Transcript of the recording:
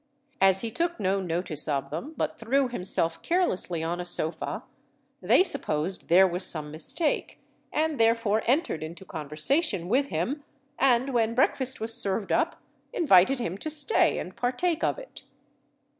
As he took no notice of them, but threw himself carelessly on a sofa, they supposed there was some mistake, and therefore entered into conversation with him, and when breakfast was served up, invited him to stay and partake of it.